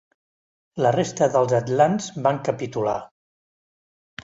La resta dels atlants van capitular.